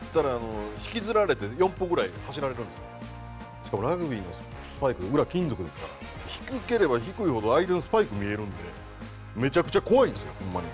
しかもラグビーのスパイク裏金属ですから低ければ低いほど相手のスパイク見えるんでめちゃくちゃ怖いんですよほんまに。